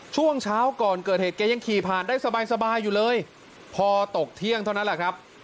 ช่วงเช้าก่อนเกิดเหตุแกยังขี่ผ่านได้สบายอยู่เลยพอตกเที่ยงเท่านั้นแหละครับ